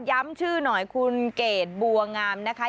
ย้ำชื่อหน่อยคุณเกดบัวงามนะคะ